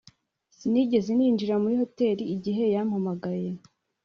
Sinigeze ninjira muri hoteri igihe yampamagaye